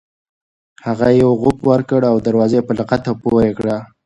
هغه یو غوپ وکړ او دروازه یې په لغته پورې کړه.